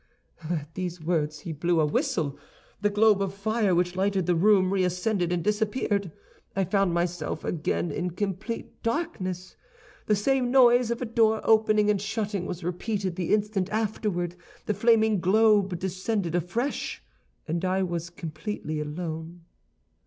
"At these words he blew a whistle; the globe of fire which lighted the room reascended and disappeared. I found myself again in complete darkness. The same noise of a door opening and shutting was repeated the instant afterward; the flaming globe descended afresh, and I was completely alone.